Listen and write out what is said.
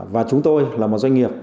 và chúng tôi là một doanh nghiệp